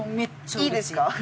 いいですか？